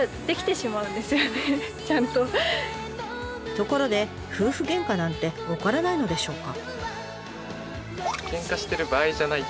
ところで夫婦ゲンカなんて起こらないのでしょうか？